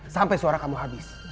sampai suara kamu habis